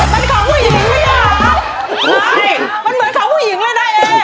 เป็นของผู้หญิงเลยเนี่ยหล่ะเป็นเหมือนของผู้หญิงเลยนะเอ